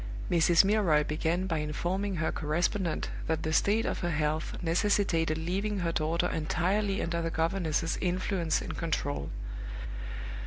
Mrs. Milroy began by informing her correspondent that the state of her health necessitated leaving her daughter entirely under the governess's influence and control.